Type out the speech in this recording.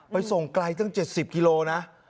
ไปส่งไกลตั้ง๗๐กิโลนะ